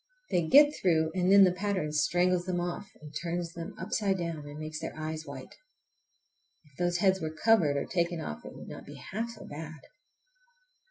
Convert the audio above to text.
They get through, and then the pattern strangles them off and turns them upside down, and makes their eyes white! If those heads were covered or taken off it would not be half so bad.